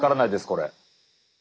これ。